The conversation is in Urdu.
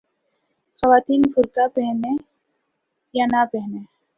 خواتین برقعہ پہنتیں یا نہ پہنتیں۔